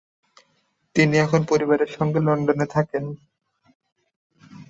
তিনি এখন পরিবারের সঙ্গে লন্ডনে থাকেন।